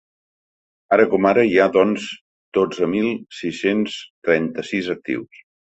Ara com ara hi ha, doncs, dotze mil sis-cents trenta-sis actius.